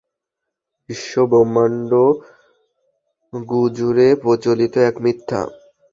বিশ্বব্রহ্মাণ্ডজুরে প্রচলিত এক মিথ্যা।